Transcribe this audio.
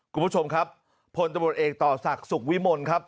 คุณผู้ชมครับพลตำรวจเอกต่อศักดิ์สุขวิมลครับ